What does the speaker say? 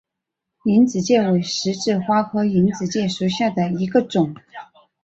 隐子芥为十字花科隐子芥属下的一个种。